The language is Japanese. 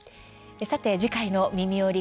次回の「みみより！